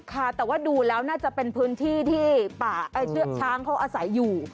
ค่ะแต่ว่าดูแล้วน่าจะเป็นพื้นที่ที่ป่าเชือกช้างเขาอาศัยอยู่